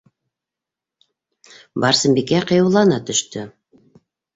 - Барсынбикә ҡыйыулана төштө.